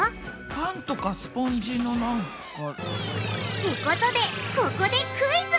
パンとかスポンジのなんか。ってことでここでクイズ！